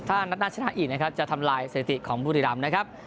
ถ้านัทชนะอียส์นะครับจะทำลายเศรษฐีของบุริรัมย์นะครับ